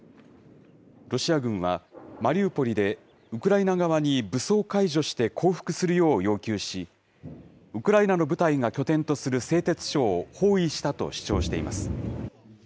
ロシア軍は、マリウポリでウクライナ側に武装解除して降伏するよう要求し、ウクライナの部隊が拠点とする製鉄所を包囲したと主張しています。